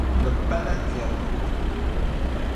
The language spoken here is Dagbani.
Di pala kpɛrigu.